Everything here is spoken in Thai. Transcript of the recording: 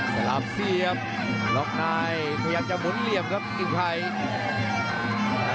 สลับเสียบหลอกนายพยายามจะหมุนเหลี่ยมครับจริงไพร